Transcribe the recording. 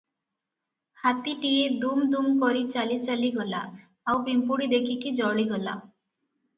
ହାତୀଟିଏ ଦୁମ ଦୁମ କରି ଚାଲି ଚାଲି ଗଲା ଆଉ ପିମ୍ପୂଡ଼ି ଦେଖିକି ଜଳିଗଲା